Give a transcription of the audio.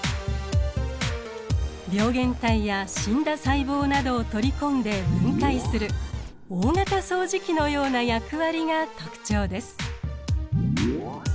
病原体や死んだ細胞などを取り込んで分解する大型掃除機のような役割が特徴です。